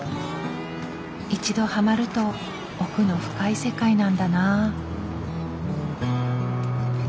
一度ハマると奥の深い世界なんだなぁ。